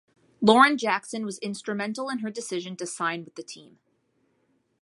Lauren Jackson was instrumental in her decision to sign with the team.